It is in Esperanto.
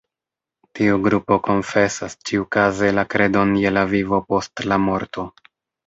Tiu grupo konfesas ĉiukaze la kredon je la vivo post la morto.